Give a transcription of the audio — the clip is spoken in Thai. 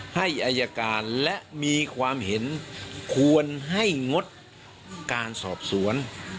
ให้อายการและมีความเห็นควรให้งดการสอบสวน